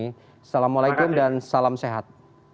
assalamualaikum dan salam sehat